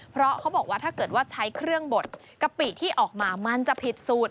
เพราะเขาบอกว่าถ้าเกิดว่าใช้เครื่องบดกะปิที่ออกมามันจะผิดสูตร